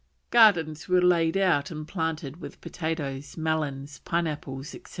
Gardens were laid out and planted with potatoes, melons, pineapples, etc.